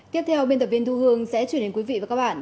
tiếp theo biên tập viên thu hương sẽ chuyển đến quý vị và các bạn